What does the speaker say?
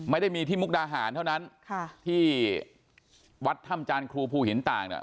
ไม่ได้มีที่มุกดาหารเท่านั้นค่ะที่วัดถ้ำจานครูภูหินต่างน่ะ